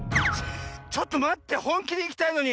ちょっとまってほんきでいきたいのに。